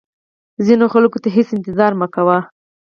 ځینو خلکو ته هیڅ انتظار مه کوئ.